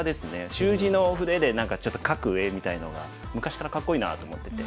習字の筆で何かちょっと描く絵みたいのが昔からかっこいいなと思ってて。